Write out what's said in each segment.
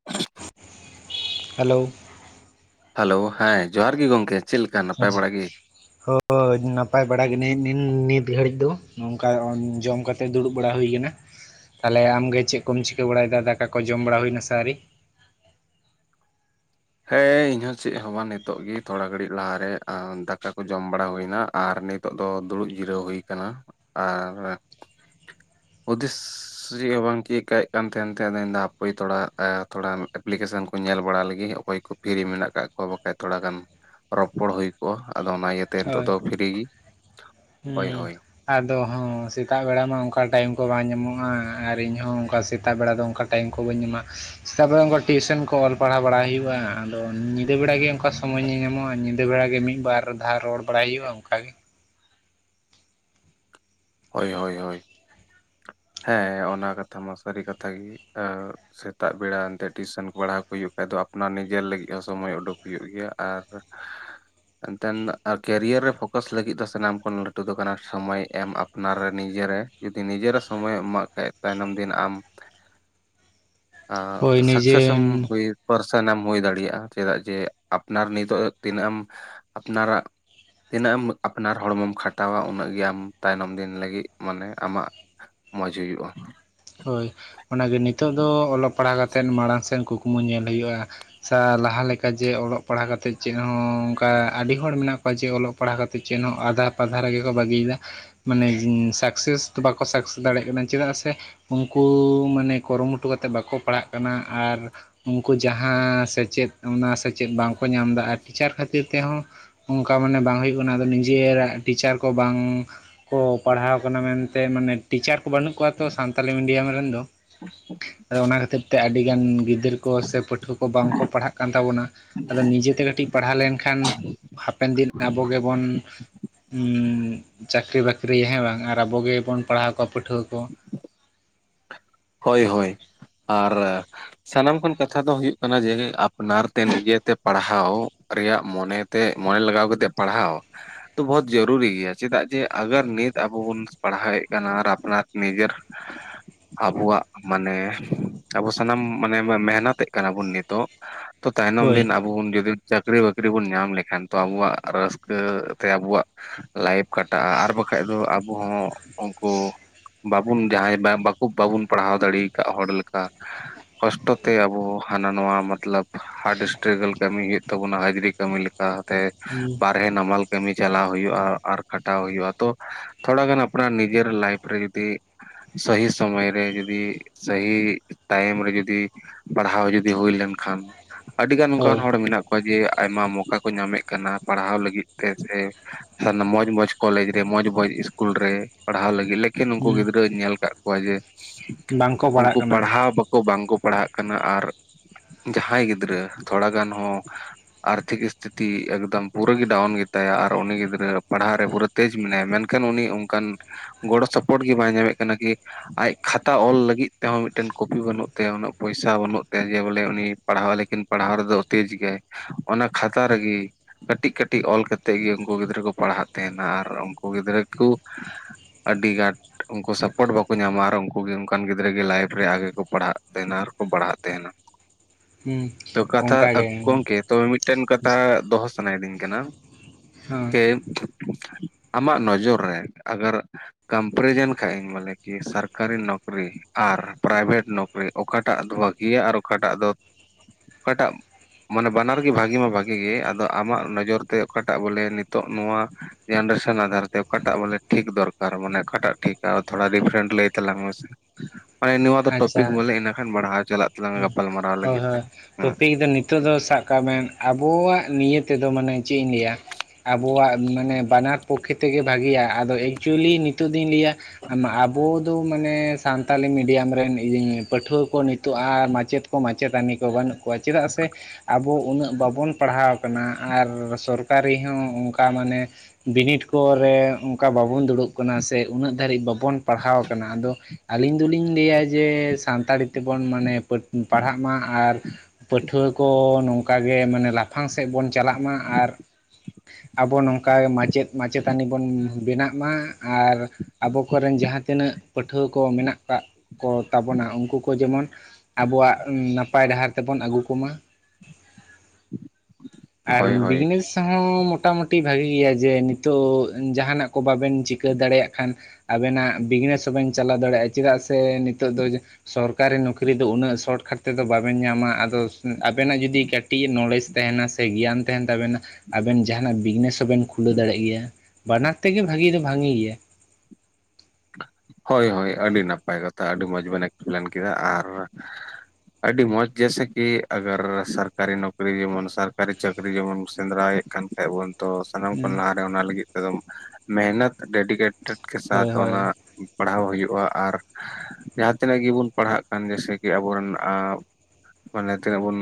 [inaudible] Hello hello ᱦᱮᱸ ᱡᱚᱦᱟᱨ ᱜᱤ ᱜᱚᱝᱠᱮ᱾ ᱪᱮᱫ ᱞᱮᱠᱟ ᱱᱟᱯᱟᱭ ᱦᱟᱸ ᱡᱤᱼᱼ ᱵᱟᱲᱟ ᱜᱮ? ᱦᱳᱭ ᱱᱟᱯᱟᱭ ᱵᱟᱲᱟ ᱜᱮᱱᱟᱹᱧ ᱱᱤᱱ ᱱᱤᱛ ᱜᱷᱟᱹᱲᱤᱡ ᱫᱚ ᱱᱚᱝᱠᱟ ᱚᱻ ᱡᱚᱢ ᱠᱟᱛᱮᱜᱼᱼ ᱛᱮᱜ ᱫᱩᱲᱩᱵ ᱵᱟᱲᱟ ᱦᱩᱭ ᱠᱟᱱᱟ ᱛᱟᱦᱚᱞᱮ ᱟᱢ ᱜᱮ ᱪᱮᱜ ᱠᱚᱢ ᱪᱤᱠᱟᱹ ᱵᱟᱲᱟᱭ ᱫᱟ ᱫᱟᱠᱟ ᱠᱚ ᱡᱚᱢ ᱵᱟᱲᱟ ᱦᱩᱭ ᱱᱟ ᱥᱮ ᱟᱣᱨᱤ? ᱦᱮᱸ ᱤᱧ ᱦᱚᱸ ᱪᱮᱜ ᱦᱚᱸ ᱵᱟᱝ ᱱᱤᱛᱚᱜ ᱜᱤᱼᱼ ᱛᱷᱚᱲᱟ ᱜᱷᱟᱹᱲᱤᱡ ᱞᱟᱦᱟ ᱨᱮ ᱟᱸᱻ ᱫᱟᱠᱟ ᱠᱚ ᱡᱚᱢ ᱵᱟᱲᱟ ᱦᱩᱭᱱᱟ ᱟᱨ ᱱᱤᱛᱚᱜ ᱫᱚ ᱫᱩᱲᱩᱵ ᱡᱤᱨᱟᱹᱣ ᱦᱩᱭ ᱠᱟᱱᱟ᱾ ᱟᱨᱻᱼᱼ ᱦᱩᱫᱤᱥ ᱪᱤᱜ ᱦᱚᱸ ᱵᱟᱝ ᱪᱤᱠᱟ ᱭᱮᱜ ᱠᱟᱱ ᱛᱮᱦᱮᱱ [unintelligible] ᱦᱟᱯᱳᱭ ᱛᱷᱚᱲᱟ ᱮ ᱛᱷᱚᱲᱟᱼᱼ ᱟᱹᱯᱞᱤᱠᱮᱥᱚᱱ ᱠᱚᱧ ᱧᱮᱞ ᱵᱟᱲᱟ ᱞᱤᱜᱤᱼᱼ ᱚᱠᱚᱭ ᱠᱚ ᱯᱷᱤᱨᱤ ᱢᱮᱱᱟᱜ ᱟᱠᱟᱜ ᱠᱚᱣᱟ ᱵᱟᱠᱷᱟᱡ ᱛᱷᱚᱲᱟ ᱜᱟᱱ ᱨᱚᱯᱚᱲ ᱦᱩᱭ ᱠᱚᱜ-ᱟ ᱟᱫᱚ ᱚᱱᱟ ᱤᱭᱟᱹᱛᱼᱼ ᱛᱮ ᱱᱤᱛᱚᱜ ᱦᱳᱭ ᱫᱚ ᱯᱷᱨᱤ ᱜᱤ ᱦᱚᱭ ᱦᱩᱸ ᱦᱚᱭ᱾ ᱟᱫᱚ ᱦᱚᱸ ᱥᱤᱛᱟᱜ ᱵᱮᱲᱟ ᱢᱟ ᱚᱱᱠᱟ ᱴᱟᱭᱤᱢ ᱠᱚ ᱵᱟᱝ ᱧᱟᱢᱚᱜ-ᱟ ᱟᱨ ᱤᱧ ᱦᱚᱸ ᱚᱱᱠᱟ ᱥᱤᱛᱟᱜ ᱵᱮᱲᱟ ᱫᱚ ᱚᱱᱠᱟᱼᱼ ᱴᱟᱭᱤᱢ ᱠᱚ ᱵᱟᱹᱧ ᱧᱟᱢᱟ᱾ ᱛᱚᱵᱮ ᱩᱱᱠᱩ ᱴᱤᱭᱩᱥᱚᱱ ᱠᱚ ᱚᱞ ᱯᱟᱲᱦᱟᱣ ᱵᱟᱲᱟᱭ ᱦᱩᱭᱩᱜ-ᱟ ᱟᱫᱚ ᱧᱤᱫᱟᱹ ᱵᱮᱲᱟ ᱜᱮ ᱚᱱᱠᱟ ᱥᱚᱢᱚᱭ ᱧᱮᱭ ᱧᱟᱢᱚᱜ-ᱟ ᱧᱤᱫᱼᱼ ᱧᱤᱫᱟᱹ ᱵᱮᱲᱟ ᱜᱮ ᱢᱤᱫ ᱵᱟᱨ ᱫᱷᱟᱣ ᱨᱚᱲ ᱵᱟᱲᱟᱭ ᱦᱩᱭᱩᱜ-ᱟ ᱚᱱᱠᱟ ᱜᱮ᱾ ᱦᱚᱭ ᱦᱚᱭ ᱦᱚᱭ ᱦᱮᱸ ᱚᱱᱟ ᱠᱟᱛᱷᱟ ᱢᱟ ᱥᱟᱹᱨᱤ ᱠᱟᱛᱷᱟ ᱜᱤ ᱮᱸ ᱥᱮᱛᱟᱜ ᱵᱮᱲᱟ ᱮᱱᱛᱮᱜ ᱴᱤᱭᱩᱥᱚᱱ ᱠᱚ ᱯᱟᱲᱦᱟᱣ ᱠᱚ ᱦᱩᱭᱩᱜ ᱠᱷᱟᱡ ᱫᱚ ᱟᱯᱱᱟᱨ ᱱᱤᱡᱮᱨ ᱞᱟᱹᱜᱤᱫ ᱦᱚᱸ ᱥᱚᱢᱚᱭ ᱚᱰᱚᱠ ᱦᱩᱭᱩᱜ ᱜᱮᱭᱟ ᱟᱨᱼᱼ [unintelligible] ᱮᱱᱛᱮᱱ ᱟᱨ ᱠᱮᱨᱤᱭᱚᱨ ᱨᱮ ᱯᱷᱳᱠᱚᱥ ᱞᱟᱹᱜᱤᱫ ᱫᱚ ᱥᱟᱱᱟᱢ ᱠᱷᱚᱱ ᱞᱟᱹᱴᱩ ᱫᱚ ᱠᱟᱱᱟ ᱥᱚᱢᱚᱭ ᱮᱢ ᱟᱢᱼᱼ ᱟᱯᱱᱟᱨ ᱨᱮ ᱱᱤᱡᱮ ᱨᱮ ᱡᱩᱫᱤ ᱱᱤᱡᱮ ᱨᱮ ᱥᱚᱢᱚᱭᱮᱢ ᱮᱢᱟᱜ ᱠᱷᱟᱡ ᱛᱟᱭᱱᱚᱢ ᱫᱤᱱ ᱟᱢᱼᱼ ᱦᱳᱭ ᱟᱸᱻᱥᱟᱠᱥᱮ ᱱᱤᱡᱮ ᱥᱮᱢ ᱦᱩᱭᱩᱼᱼ ᱯᱚᱨᱥᱟᱱ ᱱᱮᱢ ᱦᱩᱭ ᱫᱟᱲᱤᱭᱟᱜ-ᱟ ᱪᱮᱫᱟᱜ ᱡᱮ ᱟᱯᱱᱟᱨ ᱱᱤᱛᱚᱜ ᱛᱤᱱᱟᱹᱜ ᱮᱢ ᱟᱯᱱᱟᱨᱟᱜᱼᱼ ᱛᱤᱱᱟᱹᱜ ᱮᱢ ᱟᱯᱱᱟᱨ ᱦᱚᱲᱢᱚᱢ ᱠᱷᱟᱴᱟᱣᱟ ᱩᱱᱟᱹᱜ ᱜᱤ ᱟᱢ ᱛᱟᱭᱱᱚᱢ ᱫᱤᱱᱼᱼ ᱞᱟᱹᱜᱤᱫ ᱢᱟᱱᱮ ᱟᱢᱟᱜ ᱢᱚᱸᱡᱽ ᱦᱩᱭᱩᱜ-ᱟ᱾ ᱦᱳᱭ ᱚᱱᱟ ᱜᱮ ᱱᱤᱛᱚᱜ ᱫᱚ ᱚᱞᱚᱠᱼ ᱯᱟᱲᱦᱟᱣ ᱠᱟᱛᱮᱱ ᱢᱟᱲᱟᱝ ᱥᱮᱱ ᱠᱩᱠᱢᱩ ᱧᱮᱞ ᱦᱩᱭᱩᱜ-ᱟ᱾ ᱥᱟ ᱞᱟᱦᱟ ᱞᱮᱠᱟ ᱡᱮ ᱚᱞᱚᱜ ᱯᱟᱲᱦᱟᱣ ᱠᱟᱛᱮᱜ ᱪᱮᱜ ᱦᱚᱸ ᱚᱱᱠᱟ ᱟᱰᱤ ᱦᱚᱲ ᱢᱮᱱᱟᱜ ᱠᱚᱣᱟ ᱡᱮ ᱚᱞᱚᱜ ᱼᱼ ᱯᱟᱲᱦᱟᱣ ᱠᱟᱛᱮᱫ ᱪᱮᱫ ᱦᱚᱸ ᱟᱫᱷᱟ ᱯᱫᱷᱟ ᱨᱮᱜᱮ ᱠᱚ ᱵᱟᱹᱜᱤᱭᱮᱫᱟ ᱾ ᱢᱟᱱᱮ ᱥᱟᱠᱥᱮᱥ ᱵᱟᱠᱚ ᱥᱟᱠᱥᱮᱥ ᱫᱟᱲᱮᱭᱟᱜ ᱠᱟᱱᱟ ᱪᱮᱫᱟᱜ ᱥᱮ ᱾ ᱩᱱᱠᱩ ᱢᱟᱱᱮ ᱠᱩᱨᱩᱢᱩᱴᱩ ᱠᱟᱛᱮᱫ ᱵᱟᱠᱚ ᱯᱟᱲᱦᱟᱜ ᱠᱟᱱᱟ ᱟᱨ ᱾ ᱩᱱᱠᱩ ᱡᱟᱦᱟᱸ ᱥᱮᱪᱮᱫ ᱚᱱᱟ ᱥᱮᱪᱮᱫ ᱵᱟᱝᱠᱚ ᱧᱟᱢᱫᱟ ᱟᱨ ᱴᱤᱪᱟᱨ ᱠᱷᱟᱹᱛᱤᱨ ᱛᱮᱦᱚᱸ ᱾ ᱚᱱᱠᱟ ᱢᱟᱱᱮ ᱵᱟᱝ ᱦᱩᱭᱩᱜ ᱠᱟᱱᱟ ᱟᱫᱚ ᱱᱤᱡᱮ ᱨᱟᱜ ᱴᱤᱪᱟᱨ ᱠᱚ ᱵᱟᱝ ᱾ ᱠᱚ ᱯᱟᱲᱦᱟᱣ ᱠᱟᱱᱟ ᱢᱮᱱᱛᱮ ᱢᱟᱱᱮ ᱴᱤᱪᱟᱨ ᱠᱚ ᱵᱟᱹᱱᱩᱜ ᱠᱚᱣᱟ ᱛᱚ ᱥᱟᱱᱛᱟᱞᱤ ᱢᱤᱰᱤᱭᱟᱢ ᱨᱮᱱ ᱫᱚ᱾ ᱟᱫᱚ ᱚᱱᱟ ᱠᱷᱟᱹᱛᱤᱨ ᱛᱮ ᱟᱹᱰᱤ ᱜᱟᱱ ᱜᱤᱫᱽᱨᱟᱹ ᱠᱚ ᱥᱮ ᱯᱟᱹᱴᱷᱩᱣᱟᱹ ᱠᱚ ᱵᱟᱝ ᱠᱚ ᱯᱟᱲᱦᱟᱜ ᱠᱟᱱ ᱛᱟᱵᱳᱱᱟ ᱾ ᱟᱫᱚ ᱱᱤᱡᱮᱛᱮ ᱠᱟᱹᱴᱤᱡ ᱯᱟᱲᱦᱟᱣ ᱞᱮᱱ ᱠᱷᱟᱱ ᱦᱟᱯᱮᱱ ᱫᱤᱱ ᱟᱵᱚ ᱜᱮᱵᱚᱱ ᱾ ᱪᱟᱹᱠᱨᱤ ᱵᱟᱹᱠᱨ ᱦᱮᱸ ᱵᱟᱝ ᱟᱨ ᱟᱵᱚᱜ ᱜᱮ ᱵᱚᱱ ᱯᱟᱲᱦᱟᱣ ᱠᱚᱣᱟ ᱯᱟᱹᱴᱷᱩᱣᱟᱹ ᱠᱚ ᱾ ᱦᱳᱭ ᱦᱳᱭ ᱟᱨ ᱾ ᱥᱟᱱᱟᱢ ᱠᱷᱚᱱ ᱠᱟᱛᱷᱟ ᱫᱚ ᱦᱩᱭᱩᱜ ᱠᱟᱱᱟ ᱡᱮ ᱟᱯᱱᱟᱨ ᱛᱮ ᱱᱤᱡᱮ ᱛᱮ ᱯᱟᱲᱦᱟᱣ ᱨᱮᱭᱟᱜ ᱢᱚᱱᱮ ᱾ ᱛᱮ ᱢᱚᱱᱮ ᱞᱟᱜᱟᱣ ᱠᱟᱛᱮ ᱯᱟᱲᱦᱟᱣ ᱾ ᱛᱚ ᱵᱚᱦᱩᱛ ᱡᱟᱹᱨᱩᱨᱤ ᱜᱮᱭᱟ ᱾ᱪᱮᱫᱟᱜ ᱡᱮ ᱟᱜᱟᱨ ᱱᱤᱛ ᱟᱵᱚ ᱵᱚᱱ ᱯᱟᱲᱦᱟᱣᱮᱫ ᱠᱟᱱᱟ ᱟᱨ ᱟᱯᱱᱟᱨ ᱱᱤᱡᱮᱨ ᱾ [unintelligible] ᱟᱵᱚᱣᱟᱜ ᱢᱟᱱᱮ ᱟᱵᱚ ᱥᱟᱱᱟᱢ ᱢᱟᱱᱮ ᱢᱮᱦᱱᱚᱛᱮᱫ ᱠᱟᱱᱟ ᱵᱚᱱ ᱱᱤᱛᱚᱜ ᱾ ᱛᱚ ᱛᱟᱭᱱᱚᱢ ᱦᱳᱭ ᱫᱤᱱ ᱟᱵᱚ ᱵᱚᱱ ᱡᱩᱫᱤ ᱾ ᱪᱟᱹᱠᱨᱤ ᱵᱟᱹᱠᱨᱤ ᱵᱩᱱ ᱧᱟᱢ ᱞᱮᱠᱷᱟᱱ ᱛᱚ ᱟᱵᱚᱣᱟᱜ ᱨᱟᱹᱥᱠᱟᱹ ᱛᱮ ᱟᱵᱚᱣᱟᱜ ᱾ ᱞᱟᱭᱤᱯᱷ ᱠᱟᱴᱟᱜᱼᱟ ᱟᱨ ᱵᱟᱠᱷᱟᱡ ᱫᱚ ᱟᱵᱚ ᱦᱚᱸ ᱩᱱᱠᱩ ᱾ ᱵᱟᱵᱚᱱ ᱡᱟᱦᱟᱸᱭ ᱵᱟᱠᱚ ᱵᱟᱵᱚᱱ ᱯᱟᱲᱦᱟᱣ ᱫᱟᱲᱮ ᱟᱠᱟᱫ ᱦᱚᱲ ᱞᱮᱠᱟ ᱾ ᱠᱚᱥᱴᱚ ᱛᱮ ᱟᱵᱚ ᱦᱟᱱᱟ ᱱᱚᱣᱟ ᱢᱚᱛᱞᱚᱵ ᱾ ᱦᱟᱨᱰ ᱥᱴᱨᱤᱜᱮᱞ ᱠᱟᱹᱢᱤ ᱦᱩᱭᱩᱜ ᱛᱟᱵᱚᱱᱟ ᱦᱟᱡᱨᱤ ᱠᱟᱹᱢᱤ ᱞᱮᱠᱟᱛᱮ ᱾ ᱦᱳᱭ ᱱᱟᱢᱟᱞ ᱠᱟᱹᱢᱤ ᱪᱟᱞᱟᱣ ᱦᱩᱭᱩᱜᱼᱟ ᱟᱨ ᱠᱷᱟᱴᱟᱣ ᱦᱩᱭᱩᱜᱼᱟ ᱛᱚ ᱾ ᱛᱷᱚᱲᱟ ᱜᱟᱱ ᱟᱯᱱᱟᱨ ᱱᱤᱡᱮᱨ ᱞᱟᱤᱯᱷ ᱨᱮ ᱡᱚᱫᱤ ᱥᱟᱹᱦᱤ ᱾ ᱥᱚᱢᱚᱭ ᱨᱮ ᱡᱩᱫᱤ ᱥᱟᱹᱦᱤ ᱛᱟᱭᱚᱢ ᱨᱮ ᱡᱩᱫᱤ ᱯᱟᱲᱦᱟᱣ ᱡᱩᱫᱤ ᱦᱩᱭ ᱞᱮᱱ ᱠᱷᱟᱱ ᱾ ᱟᱹᱰᱤ ᱜᱟᱱ ᱚᱱᱠᱟᱱ ᱦᱚᱲ ᱢᱮᱱᱟᱜ ᱠᱚᱣᱟ ᱡᱮ ᱟᱭᱢᱟ ᱢᱚᱠᱟ ᱠᱚ ᱧᱟᱢᱮᱫ ᱠᱟᱱᱟ ᱯᱟᱲᱦᱟᱣ ᱞᱟᱹᱜᱤᱫ ᱛᱮ ᱾ ᱥᱮ ᱥᱟᱨ ᱢᱚᱸᱡᱽ ᱢᱚᱸᱡᱽ ᱠᱚᱞᱮᱡᱽ ᱨᱮ ᱢᱚᱸᱡᱽ ᱢᱚᱸᱡᱽ ᱤᱥᱠᱩᱞ ᱨᱮ ᱯᱟᱲᱦᱟᱣ ᱞᱟᱹᱜᱤᱫ᱾ ᱞᱮ ᱠᱤᱱ ᱱᱩᱠᱩ ᱜᱤᱫᱽᱨᱟᱹᱧ ᱧᱮᱞ ᱟᱠᱟᱫ ᱠᱚᱣᱟ ᱡᱮ ᱵᱟᱝᱠᱚ ᱯᱟᱲᱦᱟᱜ ᱩᱱᱠᱩ ᱠᱟᱱᱟ ᱯᱟᱲᱦᱟᱣ ᱵᱟ ᱠᱚ ᱵᱟᱝ ᱠᱚ ᱯᱟᱲᱦᱟᱜ ᱠᱟᱱᱟ ᱟᱨ ᱡᱟᱦᱟᱸᱭ ᱜᱤᱫᱽᱨᱟᱹ ᱛᱷᱚᱲᱟ ᱜᱟᱱ ᱦᱚᱸ ᱾ ᱟᱨ ᱛᱷᱤᱠ ᱥᱛᱷᱤᱛᱤ ᱮᱠᱫᱚᱢ ᱯᱩᱨᱟᱹᱜᱮ ᱰᱟᱣᱩᱱ ᱜᱮᱛᱟᱭᱟ ᱟᱨ ᱩᱱᱤ ᱜᱤᱫᱽᱨᱟᱹ ᱯᱟᱲᱦᱟᱜ ᱨᱮ ᱯᱩᱨᱟᱹ ᱛᱮᱡᱽ ᱢᱮᱱᱟᱭᱟ ᱢᱮᱱ ᱠᱷᱟᱱ ᱩᱱᱤ ᱚᱱᱠᱟᱱ ᱜᱚᱲᱚ ᱥᱚᱯᱚᱦᱚᱫ ᱜᱮ ᱵᱟᱭ ᱧᱟᱢᱮᱫ ᱠᱟᱱᱟ ᱠᱤ ᱾ ᱟᱡ ᱠᱷᱟᱛᱟ ᱚᱞ ᱞᱟᱹᱜᱤᱫ ᱛᱮᱦᱚᱸ ᱢᱤᱫᱴᱮᱱ ᱠᱚᱯᱤ ᱵᱟᱹᱱᱩᱜ ᱛᱟᱭᱟ᱾ ᱩᱱᱟᱹᱜ ᱯᱚᱭᱥᱟ ᱵᱟᱹᱱᱩᱜ ᱛᱟᱭᱟ ᱡᱮ ᱵᱚᱞᱮ ᱩᱱᱤ ᱾ ᱯᱟᱲᱦᱟᱣ ᱞᱮᱠᱤᱱ ᱯᱟᱲᱦᱟᱣ ᱨᱮᱫᱚ ᱛᱮᱡᱽ ᱜᱮᱭ ᱚᱱᱟ ᱠᱷᱟᱛᱟ ᱨᱮᱜᱮ ᱠᱟᱹᱴᱤᱡ ᱠᱟᱹᱴᱤᱡ ᱚᱞ ᱠᱟᱛᱮᱫ ᱜᱮ ᱩᱱᱠᱩ ᱜᱤᱫᱽᱨᱟᱹ ᱠᱚ ᱯᱟᱲᱦᱟᱜ ᱛᱟᱦᱮᱱᱟ ᱟᱨ ᱩᱱᱠᱩ ᱜᱤᱫᱽᱨᱟᱹ ᱠᱚ ᱾ ᱟᱹᱰᱤ ᱜᱟᱴ ᱩᱱᱠᱩ ᱥᱟᱵ ᱾ ᱥᱟᱯᱳᱴ ᱵᱟᱠᱚ ᱧᱟᱢᱟ ᱟᱨ ᱩᱱᱠᱩᱩᱜ ᱜᱮ ᱚᱱᱠᱟᱱ ᱜᱤᱫᱽᱨᱟᱹ ᱜᱮ ᱞᱟᱭᱤᱯᱷ ᱨᱮ ᱟᱜᱮ ᱠᱚ ᱯᱟᱲᱦᱟᱜ ᱛᱟᱸᱦᱮᱱᱟ ᱟᱨ ᱠᱚ ᱵᱟᱲᱦᱟᱜ ᱛᱟᱸᱦᱮᱱᱟ ᱾ ᱛᱚ ᱠᱟᱛᱷᱟ ᱚᱱᱠᱟᱜᱮ ᱦᱮᱸ [unintelligible] ᱛᱚ ᱢᱤᱫ ᱴᱮᱱ ᱠᱟᱛᱷᱟ ᱫᱚᱦᱚ ᱥᱟᱱᱟᱭᱮᱫ ᱤᱧ ᱠᱟᱱᱟ ᱡᱮ ᱾ ᱟᱢᱟᱜ ᱱᱚᱡᱚᱨ ᱨᱮ ᱟᱜᱟᱨ ᱠᱚᱢᱯᱮᱨᱤᱡᱮᱱ ᱠᱷᱟ ᱤᱧ ᱵᱚᱞᱮ ᱾ ᱠᱤ ᱥᱚᱨᱠᱟᱨᱤ ᱱᱚᱠᱨᱤ ᱾ ᱟᱨ ᱯᱨᱟᱭᱵᱷᱮᱴ ᱱᱚᱠᱨᱤ ᱚᱠᱟᱴᱟᱜ ᱫᱚ ᱵᱷᱟᱹᱜᱮᱤᱭᱟ ᱟᱨ ᱚᱠᱟᱴᱟᱜ ᱫᱚ ᱚᱠᱟᱴᱟᱜ ᱾ ᱢᱟᱱᱮ ᱵᱟᱱᱟᱨ ᱜᱮ ᱵᱷᱟᱜᱤ ᱢᱟ ᱵᱷᱟᱜᱤ ᱜᱮ ᱟᱫᱚ ᱟᱢᱟᱜ ᱱᱚᱡᱚᱨ ᱛᱮ ᱚᱠᱟᱴᱟᱜ ᱵᱚᱞᱮ ᱱᱤᱛᱚᱜ ᱱᱚᱣᱟ ᱾ ᱟᱱᱰᱟᱨᱮᱥᱚᱱ ᱟᱫᱷᱟᱨ ᱛᱮ ᱚᱠᱟᱴᱟᱜ ᱵᱚᱞᱮ ᱴᱷᱤᱠ ᱫᱚᱨᱠᱟᱨ ᱢᱟᱱᱮ ᱚᱠᱟᱴᱟᱜ ᱴᱷᱤᱠ ᱟ᱾ ᱛᱷᱚᱲᱟ ᱰᱤᱯᱷᱟᱨᱮᱱᱴ ᱞᱟᱹᱭ ᱛᱟᱞᱟᱝ ᱢᱮᱥᱮ ᱢᱟᱱᱮ᱾ ᱱᱚᱣᱟ ᱫᱚ ᱴᱚᱯᱤᱠ ᱵᱚᱞᱮ ᱤᱱᱟᱹᱠᱷᱟᱱ ᱯᱟᱲᱦᱟᱣ ᱪᱟᱞᱟᱜ ᱾ ᱦᱳᱹᱭ ᱦᱳᱹᱭ ᱴᱚᱯᱤᱠ ᱫᱚ ᱱᱤᱛᱚᱜ ᱫᱚ ᱥᱟᱵ᱾ ᱥᱟᱵᱠᱟᱜ ᱢᱮ ᱟᱵᱚᱣᱟᱜ ᱱᱤᱭᱟᱹ ᱛᱮ ᱫᱚ ᱢᱟᱱᱮ ᱪᱮᱫ ᱤᱧ ᱞᱟᱹᱭᱟ ᱾ ᱟᱵᱚᱣᱟᱜ ᱢᱟᱱᱮ ᱵᱟᱱᱟᱨ ᱯᱚᱠᱠᱷᱮ ᱛᱮᱜᱮ ᱵᱷᱟᱜᱮᱜᱤᱭᱟ᱾ ᱟᱫᱚ ᱮᱠᱪᱩᱭᱮᱞᱤ ᱱᱤᱛᱚᱜ ᱫᱚᱧ ᱞᱟᱹᱭᱟ ᱟᱵᱚ ᱫᱚ ᱢᱟᱱᱮ ᱥᱟᱱᱛᱟᱞᱤ ᱢᱤᱰᱤᱭᱟᱢ ᱨᱮᱱ ᱯᱟᱹᱴᱷᱩᱣᱟᱹ ᱠᱚ ᱱᱤᱛᱚᱜ ᱟᱨ ᱢᱟᱪᱮᱫ ᱠᱚ ᱢᱟᱪᱮᱛᱟᱹᱱᱤ ᱠᱚ ᱵᱟᱹᱱᱩᱜ ᱠᱚᱣᱟ᱾ ᱪᱮᱫᱟᱜ ᱥᱮ ᱟᱵᱚ ᱟᱵᱚ ᱩᱱᱟᱹᱜ ᱵᱟᱵᱚᱱ ᱯᱟᱲᱦᱟᱣ ᱟᱠᱟᱱᱟ᱾ ᱟᱨ ᱥᱚᱨᱠᱟᱨᱤ ᱦᱚᱸ ᱚᱱᱠᱟ ᱢᱟᱱᱮ ᱵᱤᱱᱤᱰ ᱠᱚᱨᱮ ᱚᱱᱠᱟ ᱵᱟᱵᱚᱱ ᱫᱩᱲᱩᱵ ᱠᱟᱱᱟ᱾ ᱥᱮ ᱩᱱᱟᱹᱜ ᱫᱷᱟᱹᱨᱤᱡ ᱵᱟᱵᱚᱱ ᱯᱟᱲᱦᱟᱣ ᱠᱟᱱᱟ ᱟᱫᱚ ᱟᱹᱞᱤᱧ ᱫᱚᱞᱤᱧ ᱞᱟᱹᱭᱟ ᱡᱮ ᱥᱟᱱᱛᱟᱲᱤ ᱛᱮ ᱵᱚᱱ ᱢᱟᱱᱮ ᱯᱟᱲᱦᱟᱜ ᱢᱟ ᱾ ᱟᱨ ᱯᱟᱹᱴᱷᱩᱣᱟᱹ ᱠᱚ ᱱᱚᱝᱠᱟ ᱜᱮ ᱢᱟᱱᱮ ᱞᱟᱯᱷᱟᱝ ᱥᱮᱫ ᱵᱚᱱ ᱪᱟᱞᱟᱜ ᱢᱟ ᱟᱨ ᱟᱵᱚ ᱱᱚᱝᱠᱟ ᱢᱟᱪᱮᱫ ᱢᱟᱪᱮᱛᱟᱹᱱᱤ ᱵᱚᱱ ᱵᱮᱱᱟᱜ ᱢᱟ ᱾ ᱟᱨ ᱟᱵᱚ ᱠᱚᱨᱮᱱ ᱡᱟᱦᱟᱸ ᱛᱤᱱᱟᱹᱜ ᱯᱟᱹᱴᱷᱩᱣᱟᱹ ᱠᱚ ᱢᱮᱱᱟᱜ ᱠᱟᱜ ᱠᱚ ᱛᱟᱵᱚᱱᱟ ᱩᱱᱠᱩ ᱠᱚ᱾ ᱠᱚ ᱡᱮᱢᱚᱱ ᱟᱵᱚᱣᱟᱜ ᱱᱟᱯᱟᱭ ᱰᱟᱦᱟᱨ ᱛᱮᱵᱚᱱ ᱟᱹᱜᱩ ᱠᱚᱢᱟ᱾ ᱟᱨ ᱦᱳᱭ ᱦᱳᱭ ᱵᱤᱡᱽᱱᱮᱥ ᱦᱚᱸ ᱢᱚᱴᱟᱢᱩ ᱴᱤ ᱵᱷᱟᱹᱜᱮ ᱜᱮᱭᱟ ᱡᱮ ᱱᱤᱛᱚᱜ ᱡᱟᱦᱟᱱᱟᱜ ᱠᱚ ᱵᱟᱵᱮᱱ ᱪᱤᱠᱟᱹ ᱫᱟᱲᱮᱭᱟᱜ ᱠᱷᱟᱱ ᱟᱵᱮᱱᱟᱜ ᱵᱤᱜᱽᱱᱮᱥ ᱦᱚᱸᱵᱮᱱ ᱪᱟᱞᱟᱣ ᱫᱟᱲᱮᱭᱟᱜᱼᱟ᱾ ᱪᱮᱫᱟᱜ ᱥᱮ ᱱᱤᱛᱚᱜ ᱫᱚ ᱥᱚᱨᱠᱟᱨᱤ ᱱᱩᱠᱨᱤ ᱫᱚ ᱩᱱᱟᱹᱜ ᱥᱚᱨᱚᱴᱠᱴ ᱛᱮᱫᱚ ᱵᱟᱵᱮᱱ ᱧᱟᱢᱟ ᱟᱫᱚ ᱟᱵᱮᱱᱟᱜ ᱡᱩᱫᱤ ᱴᱤ ᱱᱚᱞᱮᱡᱽ ᱛᱟᱦᱮᱱᱟ ᱥᱮ ᱜᱮᱭᱟᱱ ᱛᱟᱦᱮᱱ ᱛᱟᱵᱮᱱᱟ ᱟᱵᱮᱱ ᱡᱟᱦᱟᱱᱟᱜ ᱵᱤᱜᱽᱱᱮᱥ ᱦᱚᱸᱵᱮᱱ ᱠᱷᱩᱞᱟᱹᱣ ᱫᱟᱲᱮᱜ ᱜᱮᱭᱟ᱾ ᱵᱟᱱᱟᱨ ᱛᱮᱜᱮ ᱵᱷᱟᱜᱤ ᱫᱚ ᱵᱷᱟᱜᱤ ᱜᱮᱭᱟ᱾ ᱦᱳᱭ ᱦᱳᱭ ᱟᱹᱰᱤ ᱱᱟᱯᱟᱭ ᱠᱟᱛᱷᱟ ᱟᱹᱰᱤ ᱢᱚᱸᱡᱽ ᱵᱮᱱ ᱮᱠᱥᱯᱞᱮᱱ ᱠᱮᱫᱟ, ᱟᱨ ᱟᱹᱰᱤ ᱢᱚᱸᱡᱽ ᱡᱮᱥᱮ ᱠᱤ ᱟᱜᱟᱨ ᱥᱟᱨᱠᱟᱨᱤ ᱱᱚᱠᱨᱤ ᱡᱮᱢᱚᱱ ᱥᱟᱨᱠᱟᱨᱤ ᱪᱟᱹᱠᱨᱤ ᱡᱮᱢᱚᱱ ᱥᱮᱸᱫᱽᱨᱟᱭᱮᱜ ᱠᱟᱱ ᱠᱷᱟᱡ ᱵᱚᱱ᱾ ᱛᱚ ᱥᱟᱱᱟᱢ ᱠᱷᱚᱱ ᱦᱩᱸ ᱞᱟᱦᱟᱨᱮ ᱚᱱᱟ ᱞᱟᱹᱜᱤᱫ ᱛᱮᱫᱚ ᱢᱮᱦᱱᱚᱛ ᱰᱮᱴᱤᱜᱮᱴᱮᱰ ᱠᱮ ᱥᱟᱛ ᱦᱳᱭ ᱦᱳᱭ ᱚᱱᱟ ᱯᱟᱲᱦᱟᱣ ᱦᱩᱭᱩᱜᱼᱟ ᱟᱨ ᱡᱟᱦᱟᱸᱛᱤᱱᱟᱹᱜ ᱜᱮᱵᱚᱱ ᱯᱟᱲᱦᱟᱜ ᱠᱟᱱ ᱡᱮᱭᱥᱮ ᱠᱤ ᱟᱵᱚᱨᱮᱱ ᱟ ᱢᱟᱱᱮ ᱛᱤᱱᱟᱹᱜ ᱵᱚᱱ